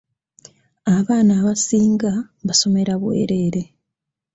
Abaana abasinga basomera bwereere.